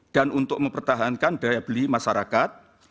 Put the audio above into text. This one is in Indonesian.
dan untuk mempertahankan daya beli masyarakat